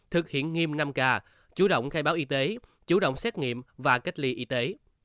thực hiện nghiêm năm k chủ động khai báo y tế chủ động xét nghiệm và cách ly y tế